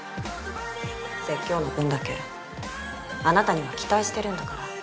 説教の分だけあなたには期待してるんだから。